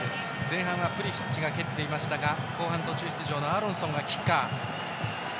前半はプリシッチが蹴っていましたが後半途中出場のアーロンソンがキッカー。